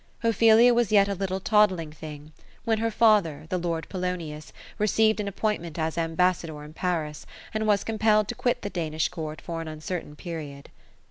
Ophelia was yet a little toddling thing, when her father, the lord Polonius, received an appointment as ambassa dor in Paris, and was compelled to quit the Danish court for an uncer tain period.